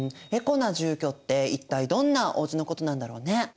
エコな住居って一体どんなおうちのことなんだろうね？